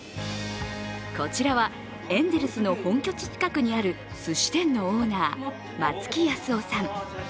こちらはエンゼルスの本拠地近くにあるすし店のオーナー、松木保雄さん。